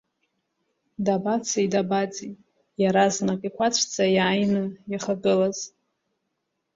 Дабацеи, дабаӡи иаразнак иқәацәӡа иааины ихагылаз?